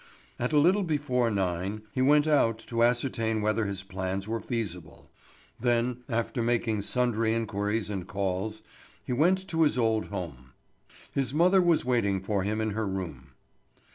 At a little before nine he went out to ascertain whether his plans were feasible. Then, after making sundry inquiries and calls, he went to his old home. His mother was waiting for him in her room.